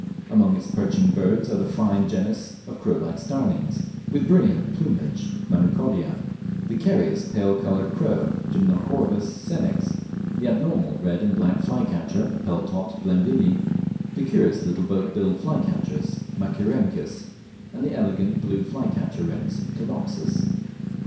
Among its perching birds are the fine genus of crow like starlings, with brilliant plumage (Manucodia); the carious pale coloured crow (Gymnocorvus senex); the abnormal red and black flycatcher (Peltops blainvillii); the curious little boat billed flycatchers (Machaerirhynchus); and the elegant blue flycatcher wrens (Todopsis).